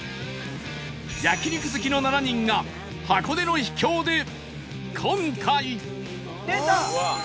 焼肉好きの７人が箱根の秘境で今回出た！